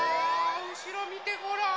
うしろみてごらん。